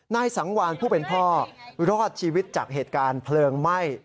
นายสังวานผู้เป็นพ่อรอดชีวิตจากเหตุการณ์เพลิงไหม้